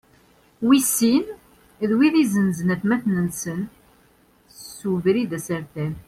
Wis sin, d wid izenzen atmaten-nsen s ubrid asertan.